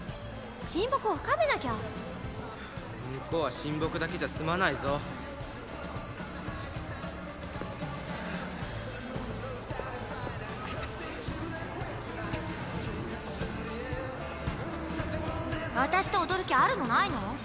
親睦を深めなきゃ向こうは親睦だけじゃ済まないぞ私と踊る気あるの？ないの？